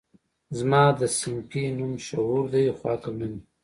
زما ده صنفي نوم شعور دی خو عقل نه لري